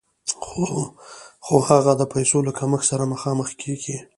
خو هغه د پیسو له کمښت سره مخامخ کېږي